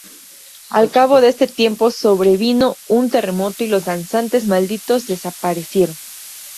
Al cabo de este tiempo sobrevino un terremoto y los "danzantes malditos" desaparecieron.